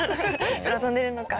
空飛んでるのか。